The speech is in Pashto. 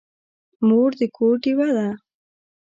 مور د کور ډېوه ده.